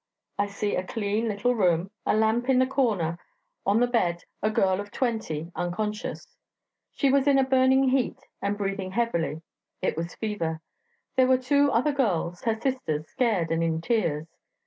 I see a clean little room, a lamp in the corner; on the bed a girl of twenty, unconscious. She was in a burning heat, and breathing heavily it was fever. There were two other girls, her sisters, scared and in tears.